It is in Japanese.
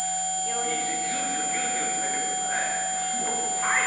いいねぎゅうぎゅうぎゅうぎゅうつめてくんだね。